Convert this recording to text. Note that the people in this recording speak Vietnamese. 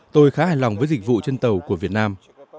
tôi khá hài lòng với dịch vụ trên tàu của việt nam